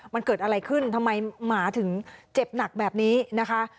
มันเกิดอะไรขึ้นทำไมหมาถึงเจ็บหนักแบบนี้นะคะ